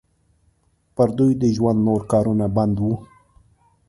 پر دوی د ژوند نور کارونه بند وو.